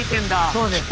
そうです。